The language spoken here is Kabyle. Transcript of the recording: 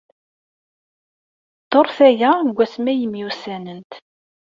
Dduṛt aya seg wasmi ay myussanent.